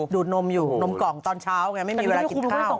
ดูดนมอยู่นมกล่องตอนเช้าไงไม่มีเวลากินข้าว